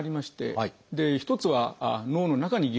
一つは脳の中に原因がある場合。